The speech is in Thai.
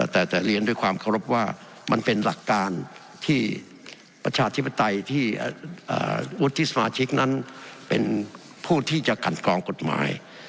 แต่จะเรียนด้วยความเคารพว่ามันเป็นหลักการที่ประชาธิปไตยที่วุฒิสมาชิกนั้นเป็นผู้ที่จะกันกรองกฎหมาย